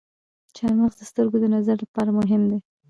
چارمغز د سترګو د نظر لپاره مهم دی.